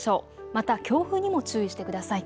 また強風にも注意してください。